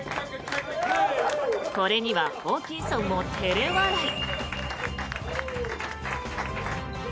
これにはホーキンソンも照れ笑い。